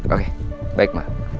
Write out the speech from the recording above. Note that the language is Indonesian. oke baik mbak